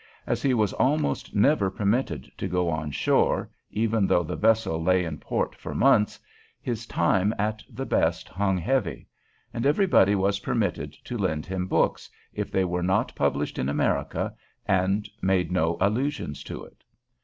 As he was almost never permitted to go on shore, even though the vessel lay in port for months, his time at the best hung heavy; and everybody was permitted to lend him books, if they were not published in America and made no allusion to it.